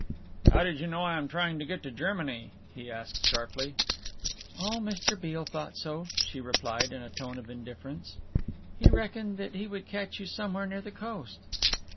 "How did you know I am trying to get to Germany?" he asked sharply. "Oh, Mr. Beale thought so," she replied, in a tone of indifference, "he reckoned that he would catch you somewhere near the coast."